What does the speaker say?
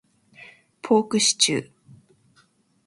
ポークシチュー